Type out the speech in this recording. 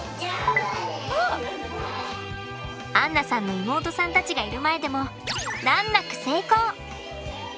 杏菜さんの妹さんたちがいる前でも難なく成功！